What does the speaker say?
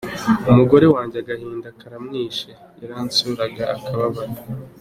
Umugore wanjye agahinda karamwishe, yaransuraga akababara.